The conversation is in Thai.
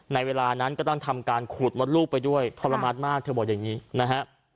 ในเวลานั้นก็ต้องทำการขูดมดลูกไปด้วยทรมานมากเธอบอกอย่างนี้นะฮะ